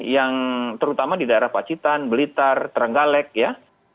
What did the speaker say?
yang terutama di daerah pacitan blitar terenggalek ya